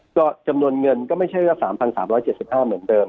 ก็จำนวนเงินก็ไม่ใช่แค่สามพันสามร้อยเจ็ดสิบห้าเหมือนเดิม